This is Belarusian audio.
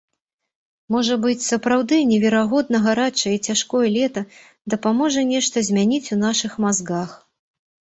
Можа быць, сапраўды неверагодна гарачае і цяжкое лета дапаможа нешта змяніць у нашых мазгах.